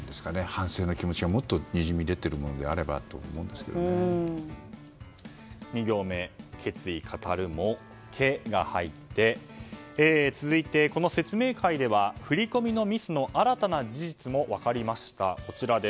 反省の気持ちが、もっとにじみ出ているものであればと２行目決意語るの「ケ」が入って続いて、この説明会では振り込みのミスの新たな事実も分かりました。